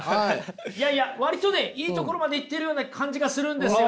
いやいや割とねいいところまでいってるような感じがするんですよ。